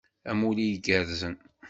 Amulli igerrzen.